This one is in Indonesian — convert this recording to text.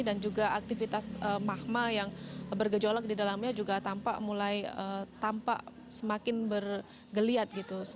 dan juga aktivitas mahma yang bergejolak di dalamnya juga tampak semakin bergeliat